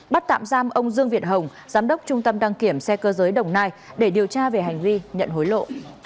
bắt tạm giam ông dương việt hồng giám đốc trung tâm đăng kiểm xe cơ giới đồng nai để điều tra về hành vi nhận hối lộ